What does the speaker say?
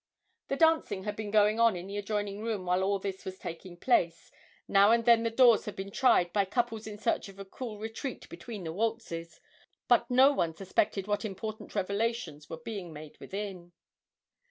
The dancing had been going on in the adjoining room while all this was taking place, now and then the doors had been tried by couples in search of a cool retreat between the waltzes, but no one suspected what important revelations were being made within.